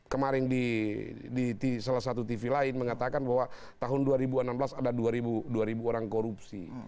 kemarin di salah satu tv lain mengatakan bahwa tahun dua ribu enam belas ada dua ribu orang korupsi